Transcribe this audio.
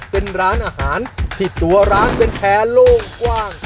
เป็นร้านอาหารที่ตัวร้านเป็นแท้โล่งกว้าง